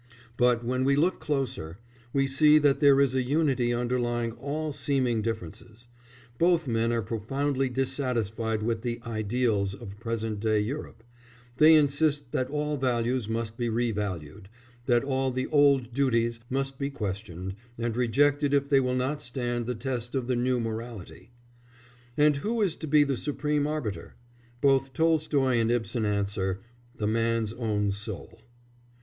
But, when we look closer, we see that there is a unity underlying all seeming differences; both men are profoundly dissatisfied with the "ideals" of present day Europe; they insist that all values must be revalued, that all the old "duties" must be questioned, and rejected if they will not stand the test of the new morality. And who is to be the supreme arbiter? Both Tolstoy and Ibsen answer: "The man's own soul."